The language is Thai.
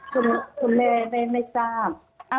คุณแม่ไม่ทราบ